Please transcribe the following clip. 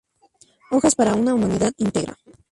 Hojas para una humanidad íntegra.